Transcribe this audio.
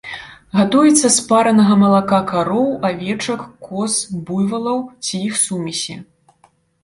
Гатуецца з паранага малака кароў, авечак, коз, буйвалаў ці іх сумесі.